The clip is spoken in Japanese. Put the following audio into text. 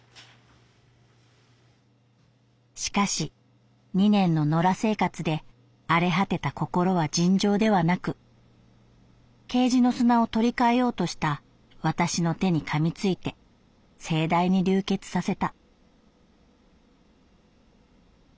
「しかし二年の野良生活で荒れ果てた心は尋常ではなくケージの砂を取り換えようとした私の手にかみついて盛大に流血させた」。